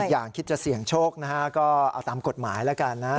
อีกอย่างคิดจะเสี่ยงโชคนะฮะก็เอาตามกฎหมายละกันนะฮะ